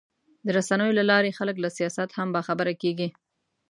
د رسنیو له لارې خلک له سیاست هم باخبره کېږي.